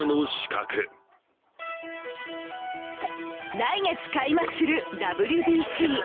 来月開幕するＷＢＣ。